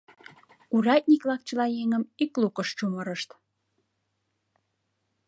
Урядник-влак чыла еҥым ик лукыш чумырышт.